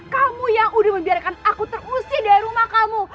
kamu yang udah membiarkan aku terus di rumah kamu